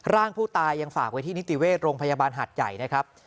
ร่างผู้ตายยังฝากไว้ที่นิติเวชโรงพยาบาลหัดใหญ่นะครับ